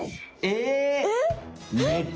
えっ！